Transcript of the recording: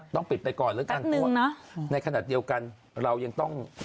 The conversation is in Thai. ต้องปิดไปก่อนแล้วกันในขณะเดียวกันเรายังต้อง